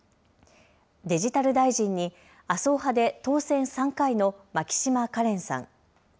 デジタル大臣に麻生派で当選３回の牧島かれんさん。